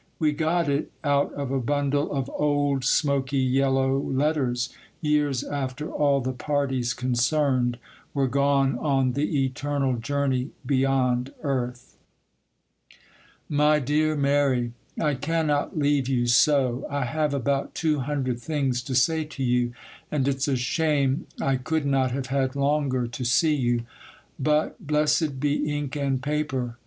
We got it out of a bundle of old, smoky, yellow letters, years after all the parties concerned were gone on the eternal journey beyond earth. 'MY DEAR MARY,— 'I cannot leave you so. I have about two hundred things to say to you, and it's a shame I could not have had longer to see you; but blessed be ink and paper!